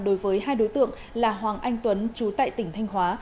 đối với hai đối tượng là hoàng anh tuấn chú tại tỉnh thanh hóa